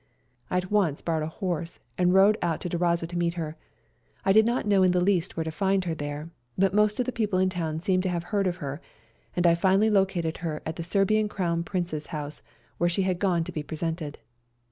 I at once borrowed a horse and rode out to Durazzo to meet her. I did not know in the least where to find her there, but most of the people in the town seemed to have heard of her, and I finally located her at the Serbian Crown Prince's house, where she had gone to be presented.